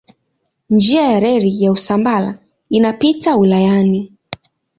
Njia ya reli ya Usambara inapita wilayani.